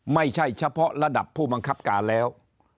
ไม่ใช่เฉพาะระดับผู้บังคับการแล้ว